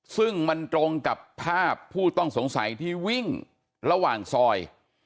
ซึ่งมันตรงกับภาพผู้ต้องสงสัยที่วิ่งระหว่างซอย